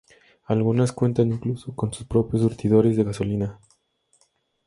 Algunas cuentan incluso con sus propios surtidores de gasolina.